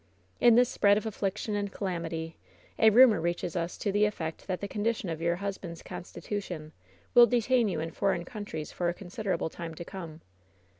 "In this spread of affliction and calamity a rumor reaches us to the effect that the condition of your hus band's constitution will detain you in foreign countries for a considerable time to come.